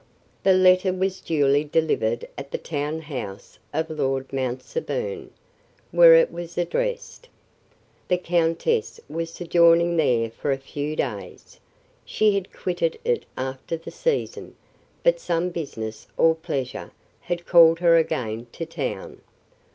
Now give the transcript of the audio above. The letter was duly delivered at the town house of Lord Mount Severn, where it was addressed. The countess was sojourning there for a few days; she had quitted it after the season, but some business, or pleasure, had called her again to town.